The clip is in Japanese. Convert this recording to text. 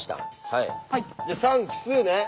で３奇数ね。